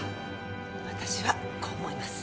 私はこう思います。